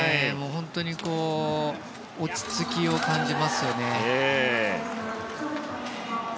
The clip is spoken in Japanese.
本当に落ち着きを感じますよね。